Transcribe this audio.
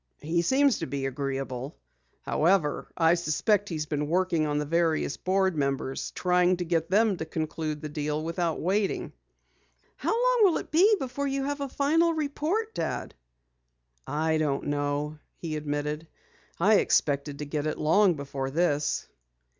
"He seems to be agreeable. However, I suspect he's been working on the various board members, trying to get them to conclude the deal without waiting." "How long will it be before you'll have a final report, Dad?" "I don't know," he admitted. "I expected to get it long before this."